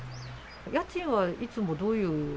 家賃はいつもどういう？